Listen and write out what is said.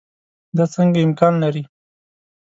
دا څنګه امکان لري.